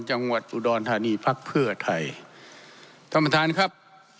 จังหวัดอุดรธานีพักเพื่อไทยท่านประธานครับ